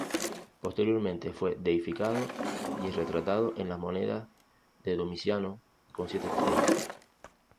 Posteriormente fue deificado y es retratado en las monedas de Domiciano, con siete estrellas.